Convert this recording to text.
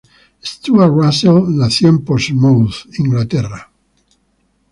Stuart Russell nació en Portsmouth, Inglaterra.